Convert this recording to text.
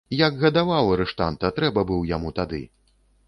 Як гадаваў арыштанта, трэба быў яму тады.